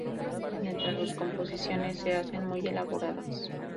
Mientras, sus composiciones se hacen muy elaboradas.